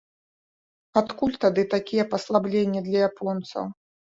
Адкуль тады такія паслабленні для японцаў?